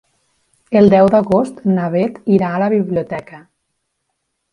El deu d'agost na Beth irà a la biblioteca.